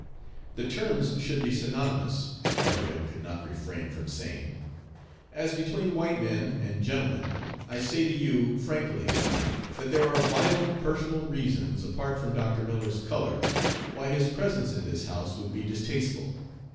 "The terms should be synonymous," Carteret could not refrain from saying. "As between white men, and gentlemen, I say to you, frankly, that there are vital, personal reasons, apart from Dr. Miller's color, why his presence in this house would be distasteful.